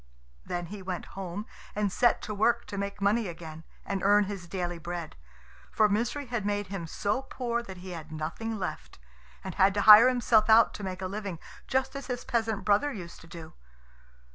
Then he went home and set to work to make money again, and earn his daily bread; for Misery had made him so poor that he had nothing left, and had to hire himself out to make a living, just as his peasant brother used to do.